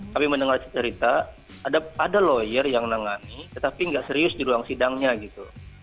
kami mendengar cerita ada lawyer yang menangani tetapi nggak serius di ruang sidangnya gitu